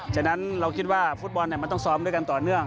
ฉะนั้นเราคิดว่าฟุตบอลมันต้องซ้อมด้วยกันต่อเนื่อง